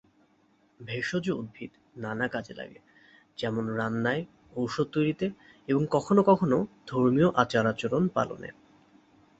ভেষজ উদ্ভিদ নানা কাজে লাগে যেমন- রান্নায়, ঔষধ তৈরিতে, এবং কখন কখন ধর্মীয় আচার-আচরণ পালনে।